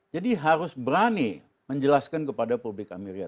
jadi harus berani menjelaskan kepada publik amerika